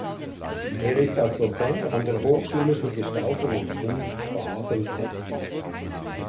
Er ist als Dozent an der Hochschule für Gestaltung und Kunst Basel tätig.